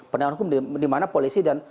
penegangan hukum dimana polisi dan